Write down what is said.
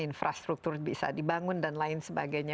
infrastruktur bisa dibangun dan lain sebagainya